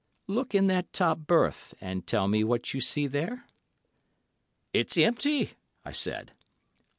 Look in that top berth and tell me what you see there?" "It's empty," I said.